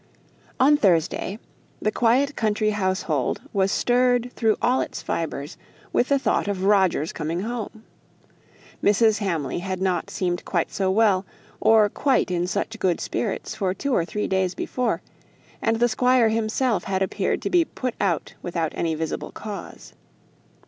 On Thursday, the quiet country household was stirred through all its fibres with the thought of Roger's coming home. Mrs. Hamley had not seemed quite so well, or quite in such good spirits for two or three days before; and the squire himself had appeared to be put out without any visible cause.